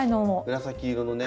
紫色のね。